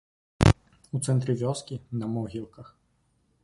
У цэнтры вёскі, на могілках.